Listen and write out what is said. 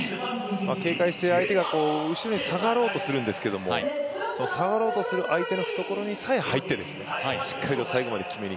警戒して相手が後ろに下がろうとするんですけれども、下がろうとする相手の懐にさえ入って、最後の決めに。